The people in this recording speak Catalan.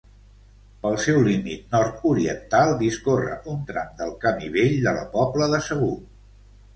Pel seu límit nord-oriental discorre un tram del Camí vell de la Pobla de Segur.